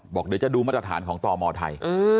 บอกเดี๋ยวจะดูมาตรฐานของตมไทย